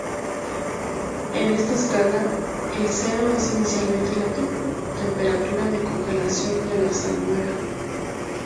En esta escala, el cero es inicialmente la temperatura de congelación de la salmuera.